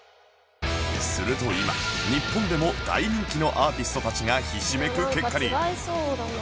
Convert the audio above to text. すると今日本でも大人気のアーティストたちがひしめく結果に